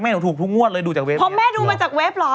หนูถูกทุกงวดเลยดูจากเว็บเพราะแม่ดูมาจากเว็บเหรอ